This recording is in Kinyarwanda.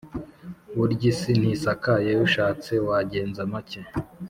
Bury’isi ntisakaye ushatse wagenza make